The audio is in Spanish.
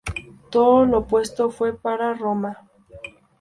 Todo lo opuesto fue para Roma.